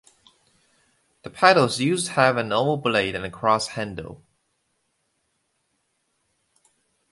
The paddles used have an oval blade and cross handle.